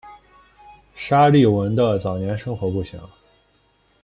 沙利文的早年生活不详。